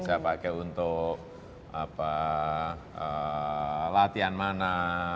saya pakai untuk latihan mana